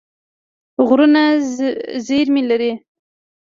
غرونه زېرمې لري.